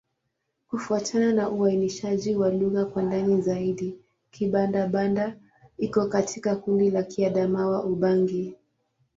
Kufuatana na uainishaji wa lugha kwa ndani zaidi, Kibanda-Banda iko katika kundi la Kiadamawa-Ubangi.